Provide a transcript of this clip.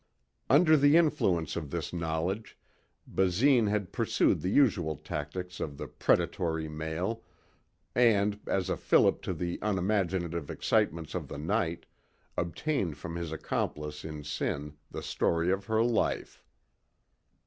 Under the influence of this knowledge, Basine had pursued the usual tactics of the predatory male and, as a fillip to the unimaginative excitements of the night, obtained from his accomplice in sin the story of her life.